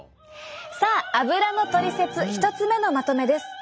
さあアブラのトリセツ１つ目のまとめです。